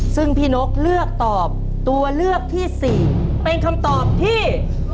ซึ่งพี่นกเลือกตอบตัวเลือกที่๔เป็นคำตอบที่